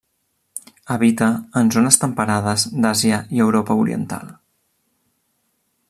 Habita en zones temperades d'Àsia i Europa oriental.